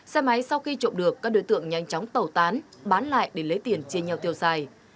xe máy sau khi trộm được các đối tượng nhanh chóng tẩu tán bán lại để lấy tiền chia nhau tiêu xài